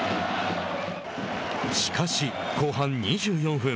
しかし、後半２４分。